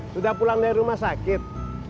sudah pulang dari rumah sakit